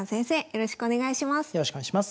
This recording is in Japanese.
よろしくお願いします。